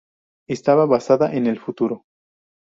Estaba basada en el futuro.